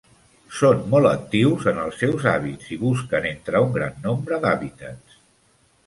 Són molt actius en els seus hàbits i busquen entre un gran nombre d'hàbitats.